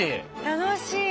楽しい。